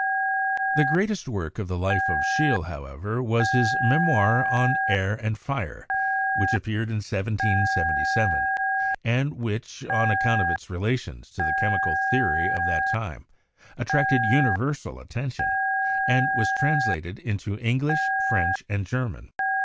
The greatest work of the life of Scheele, however, was his memoir on 'Air and Fire,' which appeared in 1777, and which, on account of its relations to the chemical theory of that time, attracted universal attention, and was trans lated into English, French and German.